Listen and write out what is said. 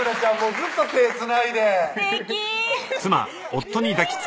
ずっと手つないですてき！